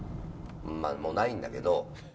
うんまあもうないんだけど。